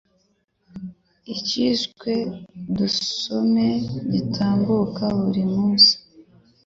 icyiswe 'Dusome" gitambuka buri munsi